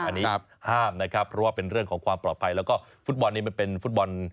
เพราะว่าความปลอดภัยแล้วก็ฟุตบอลนี้มันเป็นฟุตบอล